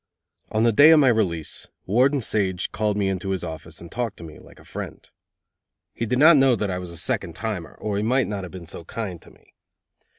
On the day of my release, Warden Sage called me to his office and talked to me like a friend. He did not know that I was a second timer, or he might not have been so kind to me.